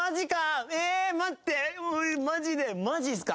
マジでマジっすか。